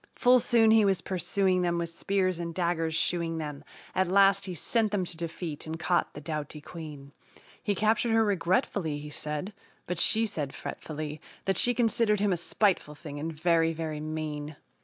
Full soon he was pursuing them, with spears and daggers "shooing" them, At last he sent them to defeat and caught the doughty queen. He captured her regretfully, he said, but she said fretfully That she considered him a spiteful thing, and very, very "mean."